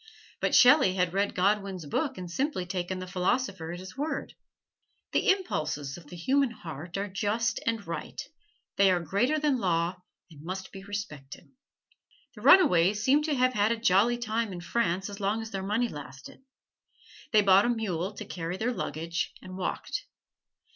But Shelley had read Godwin's book and simply taken the philosopher at his word: "The impulses of the human heart are just and right; they are greater than law, and must be respected." The runaways seemed to have had a jolly time in France as long as their money lasted. They bought a mule to carry their luggage, and walked.